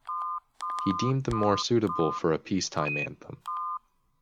He deemed them more suitable for a peacetime anthem.